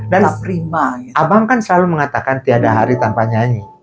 dan abang kan selalu mengatakan tiada hari tanpa nyanyi